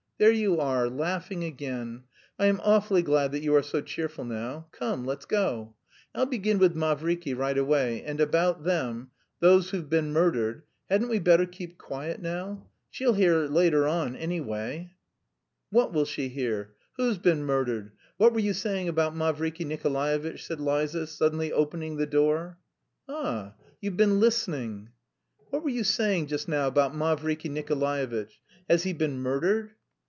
There you are, laughing again! I am awfully glad that you are so cheerful now. Come, let's go. I'll begin with Mavriky right away, and about them... those who've been murdered... hadn't we better keep quiet now? She'll hear later on, anyway." "What will she hear? Who's been murdered? What were you saying about Mavriky Nikolaevitch?" said Liza, suddenly opening the door. "Ah! You've been listening?" "What were you saying just now about Mavriky Nikolaevitch? Has he been murdered?"